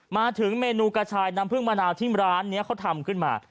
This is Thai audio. มาถึงเมนูกระชายน้ำพื้นมะนาวที่ร้านทำขึ้นมา